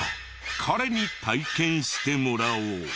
彼に体験してもらおう。